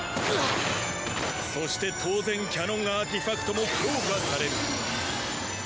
そして当然キャノンアーティファクトも強化される。